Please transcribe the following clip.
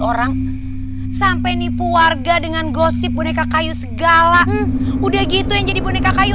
orang sampai nipu warga dengan gosip boneka kayu segala udah gitu yang jadi boneka kayu